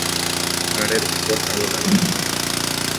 ঘাড়ের উপর কালো দাগ থাকে।